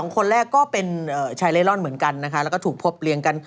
คนแรกก็เป็นชายเล่ร่อนเหมือนกันนะคะแล้วก็ถูกพบเลี้ยงกัน